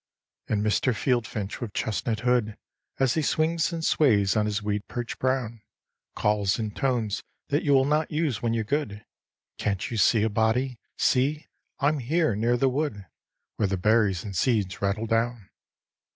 And Mr. Field Finch with chestnut hood, As he swings and sways on his weed perch brown, Calls in tones that you will not use when you're good, "Can't you see a body? See! I'm here near the wood Where the berries and seeds rattle down."